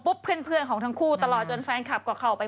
เพื่อนของทั้งคู่ตลอดจนแฟนคลับก็เข้าไป